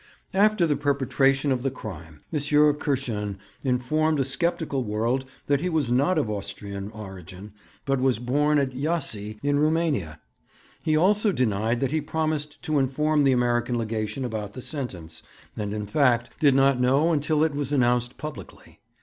After the perpetration of the crime M. Kirschen informed a sceptical world that he was not of Austrian origin, but was born at Jassy, in Roumania. He also denied that he promised to inform the American Legation about the sentence, and, in fact, did not know until it was announced publicly.